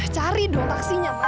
cari dong taksinya pa